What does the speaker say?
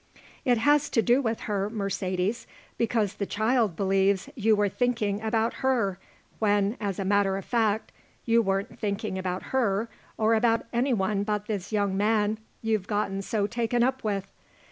"It has to do with her, Mercedes, because the child believes you were thinking about her when, as a matter of fact, you weren't thinking about her or about anyone but this young man you've gotten so taken up with.